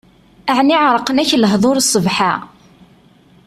Ɛni ɛerqen-ak lehdur sbeḥ-a?